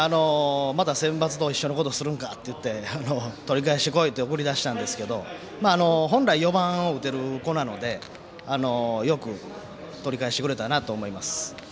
またセンバツと一緒のことするんかって取り返してこいって送り出したんですけど本来４番を打てる子なのでよく取り返してくれたなと思います。